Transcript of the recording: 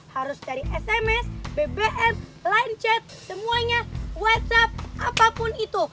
harus dari sms bbm line chat semuanya whatsapp apapun itu